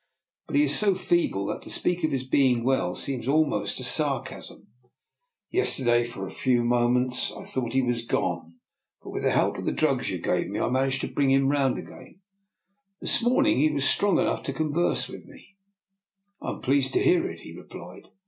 But he is so feeble that to . speak of his being well seems almost a sar casm. Yesterday for a few moments I (t 123 DR. NIKOLA'S EXPERIMENT. thought he was gone, but with the help of the ■drugs you gave me I managed to bring him round again. This morning he was strong enough to converse with me." I am pleased to hear it," he replied.